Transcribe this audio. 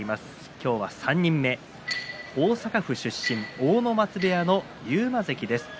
今日は３人目、大阪府出身阿武松部屋の勇磨関です。